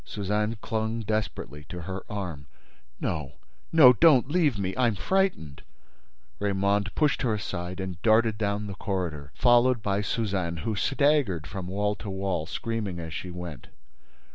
Suzanne clung desperately to her arm: "No—no—don't leave me—I'm frightened—" Raymonde pushed her aside and darted down the corridor, followed by Suzanne, who staggered from wall to wall, screaming as she went.